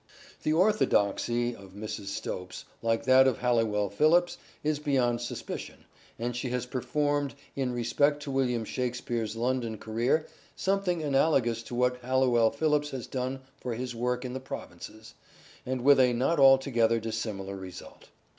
The "orthodoxy" of Mrs. Stopes, like that of Halliwell Phillipps, is beyond suspicion, and she has performed in respect to William Shakspere's London career something analogous to what Halliwell Phillipps has done for his work in the provinces, and with a not altogether dissimilar result.